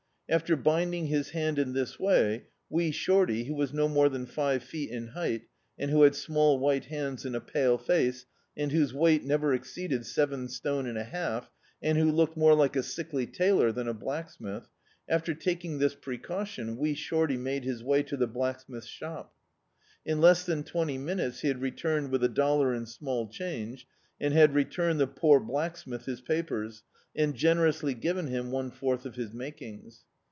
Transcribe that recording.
After binding his hand in this way. Wee Shorty, who was no more than five feet in hei^t, and who had small white hands and a pale face, and whose wei^t never exceeded seven stone and a half, and who looked more like a sickly tailor than a blacksmith — after taking this precau tion, Wee Shorty made his way to the blacksmith's shop. In less than twenty minutes he had returned with a dollar in small ch^ige, and had returned the poor blacksmith his papers, and generously given him one fourth of his makings.